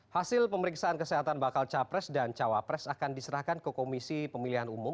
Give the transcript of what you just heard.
hasil pemeriksaan kesehatan bakal capres dan cawapres akan diserahkan ke komisi pemilihan umum